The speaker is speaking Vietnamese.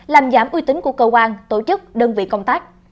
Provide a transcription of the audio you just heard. làm giảm uy tín của cơ quan tổ chức đơn vị công tác